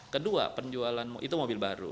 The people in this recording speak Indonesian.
kedua itu mobil baru